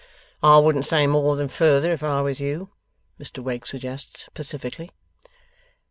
'I wouldn't say more than further, if I was you,' Mr Wegg suggests, pacifically.